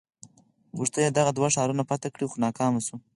غوښتل یې دغه دوه ښارونه فتح کړي خو ناکام شو.